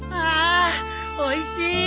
あおいしい！